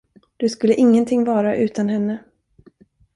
Du skulle ingenting vara utan henne.